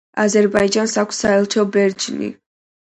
აზერბაიჯანს აქვს საელჩო ბერნში.